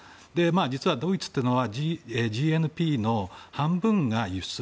実はドイツというのはＧＮＰの半分が輸出。